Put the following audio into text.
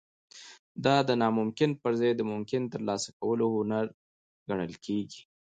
دا د ناممکن پرځای د ممکنه ترلاسه کولو هنر ګڼل کیږي